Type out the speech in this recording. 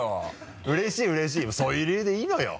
うれしいうれしいそういう理由でいいのよ。